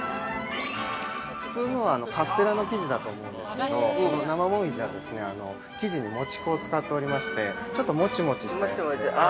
普通のはカステラの生地だと思うんですけど、生もみじは、生地にもち粉を使っておりましてちょっともちもちした。